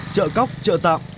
chợ cóc chợ tạm